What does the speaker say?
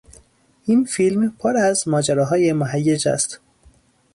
این فیلم پر از ماجراهای مهیج است.